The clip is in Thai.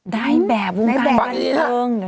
ได้แบบวงการบันเทิง